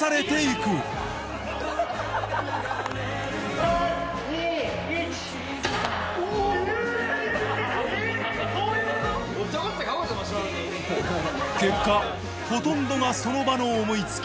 そういうこと⁉結果ほとんどがその場の思い付き